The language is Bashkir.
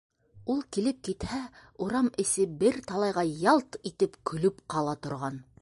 Ул килеп китһә, урам эсе бер талайға ялт итеп көлөп ҡала торған.